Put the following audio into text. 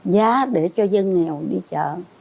giá để cho dân nghèo đi chợ